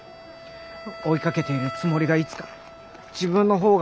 追いかけているつもりがいつか自分の方が追いかけられて。